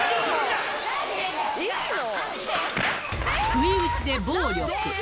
不意打ちで暴力。